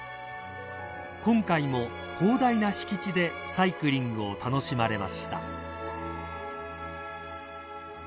［今回も広大な敷地でサイクリングを楽しまれました］